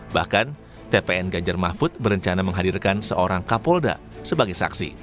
bahkan tpn ganjar mahfud berencana menghadirkan seorang kapolda sebagai saksi